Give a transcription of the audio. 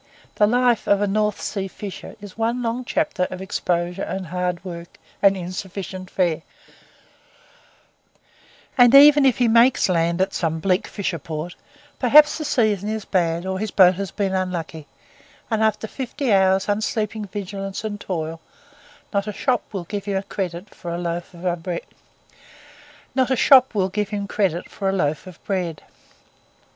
The life of a North Sea fisher is one long chapter of exposure and hard work and insufficient fare; and even if he makes land at some bleak fisher port, perhaps the season is bad or his boat has been unlucky and after fifty hours' unsleeping vigilance and toil, not a shop will give him credit for a loaf of bread.